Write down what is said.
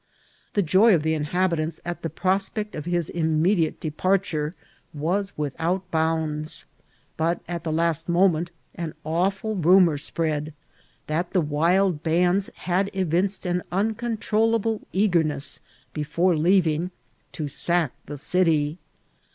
The joy of the inhabitants at the prospect of his immediate departure was without bounds; but at the last moment an awful rumour spread, that the wild bands had evinced an uncoatroi* lable eagerness, before leaving, to sack the city.